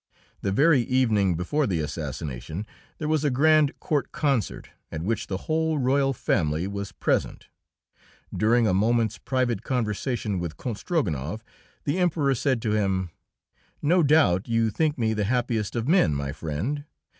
The very evening before the assassination there was a grand court concert, at which the whole royal family was present. During a moment's private conversation with Count Strogonoff, the Emperor said to him: "No doubt you think me the happiest of men, my friend.